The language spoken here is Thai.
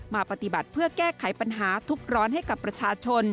มาปฏิบัติเพื่อแก้ไขปัญหาทุกร้อนให้กับประชาชน